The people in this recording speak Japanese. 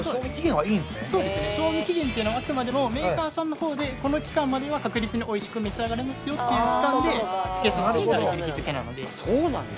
賞味期限っていうのはあくまでもメーカーさんの方でこの期間までは確実においしく召し上がれますよっていう期間でつけさせていただいてる日付なのでそうなんだ